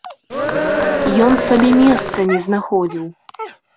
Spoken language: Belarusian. Ён сабе месца не знаходзіў.